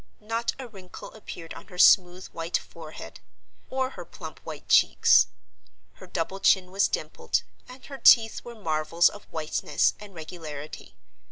Not a wrinkle appeared on her smooth white forehead, or her plump white cheeks. Her double chin was dimpled, and her teeth were marvels of whiteness and regularity.